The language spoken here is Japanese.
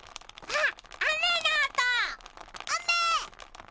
あっ！